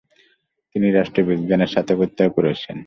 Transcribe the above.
তিনি রাষ্ট্রবিজ্ঞানে স্নাতকোত্তর করেছেন।